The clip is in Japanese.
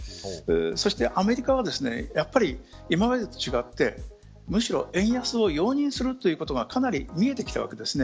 そして、アメリカは今までと違ってむしろ円安を容認するということがかなり見えてきたわけです。